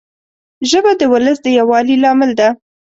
ژبه د ولس د یووالي لامل ده